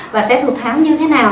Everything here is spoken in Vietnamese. và sẽ thục tháo như thế nào